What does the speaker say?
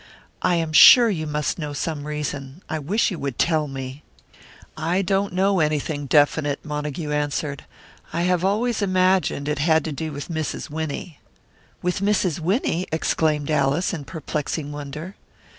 "I am sure you must know some reason. I wish you would tell me." "I don't know anything definite," Montague answered. "I have always imagined it had to do with Mrs. Winnie." "With Mrs. Winnie!" exclaimed Alice, in perplexing wonder.